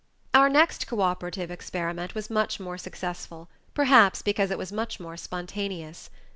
Our next cooperative experiment was much more successful, perhaps because it was much more spontaneous.